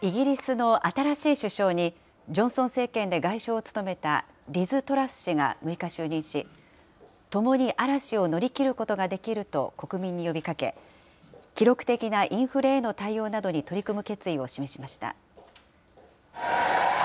イギリスの新しい首相に、ジョンソン政権で外相を務めたリズ・トラス氏が６日、就任し、ともに嵐を乗り切ることができると国民に呼びかけ、記録的なインフレへの対応などに取り組む決意を示しました。